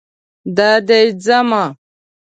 دا دی ځمه